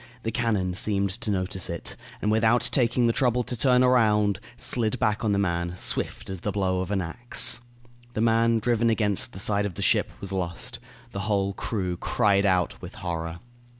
The cannon seemed to notice it, and without taking the trouble to turn around, slid back on the man, swift as the blow of an axe. The man, driven against the side of the ship, was lost. The whole crew cried out with horror.